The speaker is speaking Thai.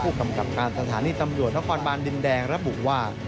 กำกับการสถานีตำรวจนครบานดินแดงระบุว่า